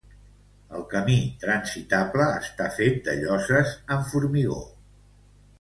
El camí transitable està fet de lloses de formigó.